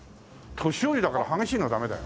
年寄りだから激しいのはダメだよ。